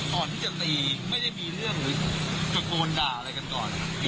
ก่อนที่จะตีไม่ได้มีเรื่องหรือตะโกนด่าอะไรกันก่อน